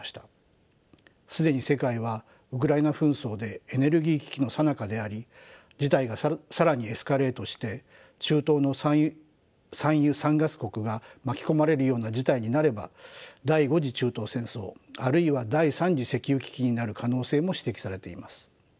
既に世界はウクライナ紛争でエネルギー危機のさなかであり事態が更にエスカレートして中東の産油産ガス国が巻き込まれるような事態になれば第５次中東戦争あるいは第３次石油危機になる可能性も指摘されています。